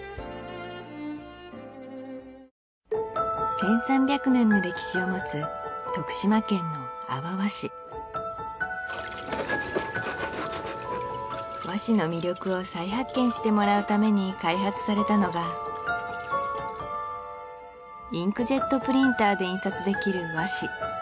１３００年の歴史を持つ徳島県の和紙の魅力を再発見してもらうために開発されたのがインクジェットプリンターで印刷できる和紙